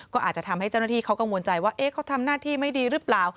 ก็อาจจะทำให้เจ้าหน้าที่เขากังวลใจว่าเขาทำหน้าที่ไม่ดีหรือเปล่า